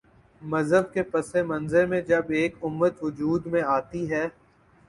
مذہب کے پس منظر میں جب ایک امت وجود میں آتی ہے۔